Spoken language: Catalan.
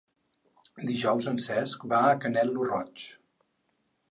Dijous en Cesc va a Canet lo Roig.